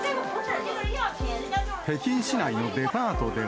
北京市内のデパートでは。